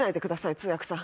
通訳さん。